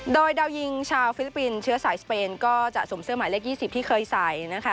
โดยดาวยิงชาวฟิลิปปินส์เชื้อสายสเปนก็จะสวมเสื้อหมายเลข๒๐ที่เคยใส่นะคะ